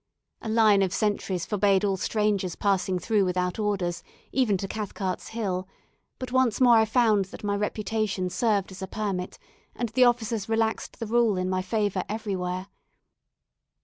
A line of sentries forbade all strangers passing through without orders, even to Cathcart's Hill; but once more I found that my reputation served as a permit, and the officers relaxed the rule in my favour everywhere.